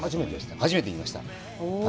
初めて行きました。